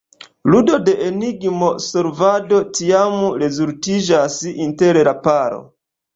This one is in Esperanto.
Ludo de enigmo-solvado tiam rezultiĝas inter la paro.